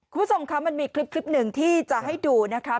คุณผู้ชมคะมันมีคลิปหนึ่งที่จะให้ดูนะคะ